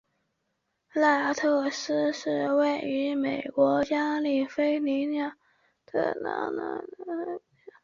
奈特森是位于美国加利福尼亚州康特拉科斯塔县的一个人口普查指定地区。